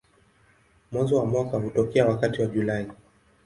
Mwanzo wa mwaka hutokea wakati wa Julai.